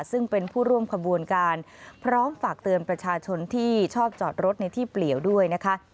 ซึ่งเป็นผู้ร่วมขบวนการพร้อมฝากเตือนประชาชนที่ชอบจอดรถในที่เปลี่ยวด้วยนะคะ